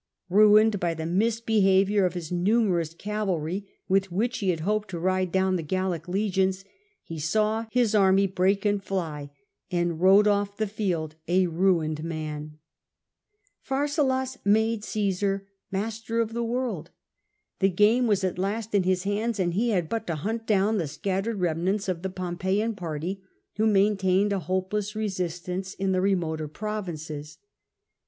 Ruined by the misbehaviour of his numtu ous cavalry, with which he had hoped to ride down the Gallic legions, he saw his army break and fly, and rode off the field a ruined man. Pharsalus made Omsar master of the world. The game was at last in his hands, and he had but to hunt down the scattered remnants of the Pompeian party, who main tained a hopeless resistance in ih© remoter provinces.